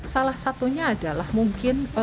salah satunya adalah mungkin